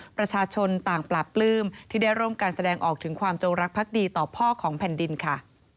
ประชาชนต่างปราบปลื้มที่ได้ร่วมการแสดงออกถึงความจงรักพักดีต่อพ่อของแผ่นดินค่ะ